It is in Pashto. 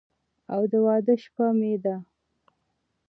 او د واده شپه مې ده